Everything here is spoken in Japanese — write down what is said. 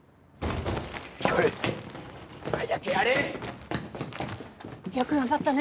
来い早くやれよく頑張ったね